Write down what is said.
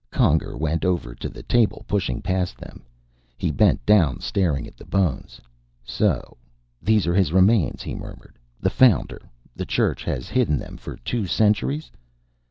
Conger went over to the table, pushing past them. He bent down, staring at the bones. "So these are his remains," he murmured. "The Founder. The Church has hidden them for two centuries."